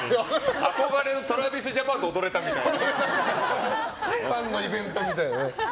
憧れのＴｒａｖｉｓＪａｐａｎとファンのイベントみたいなね。